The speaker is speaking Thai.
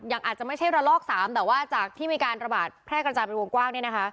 อาจจะไม่ใช่ระลอก๓แต่ว่าจากที่มีการระบาดแพร่กระจายเป็นวงกว้างเนี่ยนะคะ